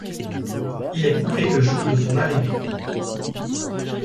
Il est coupé le jour de son arrivée.